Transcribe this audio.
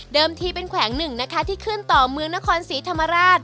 เดิมที่เป็นแขวง๑ที่ขึ้นต่อเมืองนครสีธรรมราช